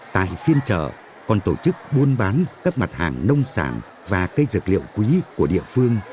tại phiên chợ còn tổ chức buôn bán các mặt hàng nông sản và cây dược liệu quý của địa phương